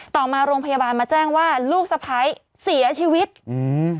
ต่อมาโรงพยาบาลมาแจ้งว่าลูกสะพ้ายเสียชีวิตอืม